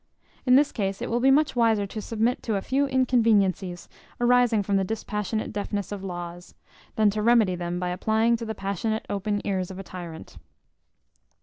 In this case it will be much wiser to submit to a few inconveniencies arising from the dispassionate deafness of laws, than to remedy them by applying to the passionate open ears of a tyrant.